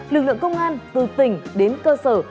lực lượng công an từ tỉnh đến cơ sở